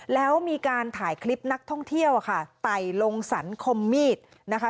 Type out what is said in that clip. แล้วมีการถ่ายคลิปนักท่องเที่ยวอะค่ะไต่ลงสรรคมมีดนะคะ